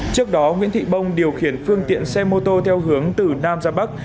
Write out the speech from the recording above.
trước đó nguyễn thị bông điều khiển phương tiện xe mô tô theo hướng từ nam ra bắc